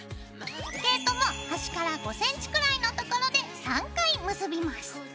毛糸も端から５ｃｍくらいの所で３回結びます。